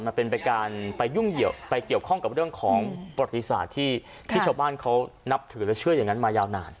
มันเป็นไปการไปยุ่งไปเกี่ยวข้องกับเรื่องของประวัติศาสตร์ที่ชาวบ้านเขานับถือและเชื่ออย่างนั้นมายาวนาน